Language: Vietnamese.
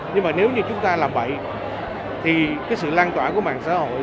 nhưng mà nếu như chúng ta làm bậy thì cái sự lan tỏa của mạng xã hội